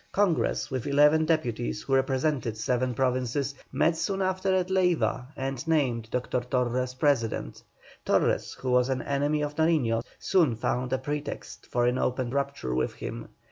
Congress, with eleven deputies who represented seven provinces, met soon after at Leiva and named Dr. Torres President. Torres, who was an enemy of Nariño's, soon found a pretext for an open rupture with him.